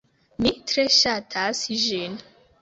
Mi tre ŝatas ĝin.